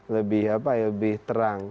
lebih apa ya lebih terang